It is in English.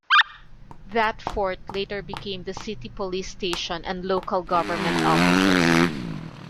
That fort later became the city police station and local government offices.